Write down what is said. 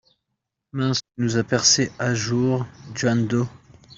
Mince, tu nous as percé à jour Jañ-Do !